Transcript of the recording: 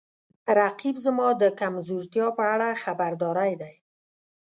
رقیب زما د کمزورتیاو په اړه خبرداری دی